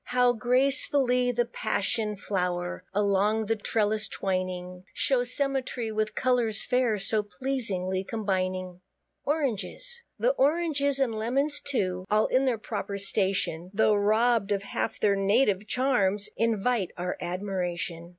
How gracefully the Passion flow'r, Along the trellis twining, Shows symmetry, with colours fair, So pleasingly combining. ORANGES. The Oranges, and Lemons too, All in their proper station, Tho' robb'd of half their native charms, Invite our admiration.